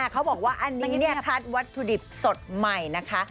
เขาบอกว่าอันนี้คัดวัตถุดิบสดใหม่นะคะ